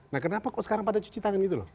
nah kenapa kok sekarang pada cuci tangan gitu loh